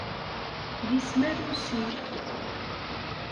D isem arusi.